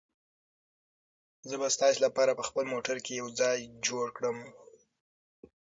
زه به ستا لپاره په خپل موټر کې یو ځای جوړ کړم.